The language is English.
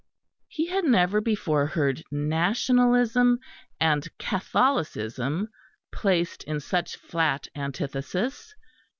He had never before heard Nationalism and Catholicism placed in such flat antithesis.